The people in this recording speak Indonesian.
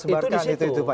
itu di situ